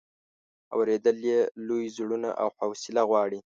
اورېدل یې لوی زړونه او حوصله غواړي.